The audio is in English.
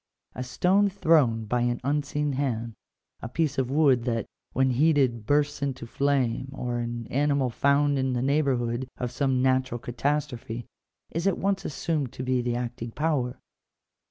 A stone thrown by an unseen hand, a piece of wood that, when heated, bursts into flame, or an animal found in the neighbour hood of some natural catastrophe, is at once assumed to be the acting power.